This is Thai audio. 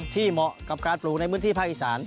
เหมาะกับการปลูกในพื้นที่ภาคอีสาน